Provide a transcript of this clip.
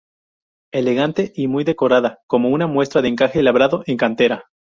Elegante y muy decorada, como una muestra de encaje labrado en cantera.